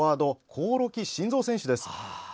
興梠慎三選手です。